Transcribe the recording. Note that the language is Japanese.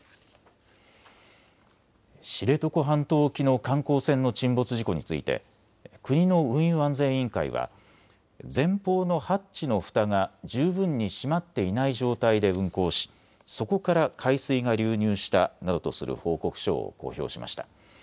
知床半島沖の観光船の沈没事故について国の運輸安全委員会は前方のハッチのふたが十分に閉まっていない状態で運航しそこから海水が流入したなどとする報告書を公表しました。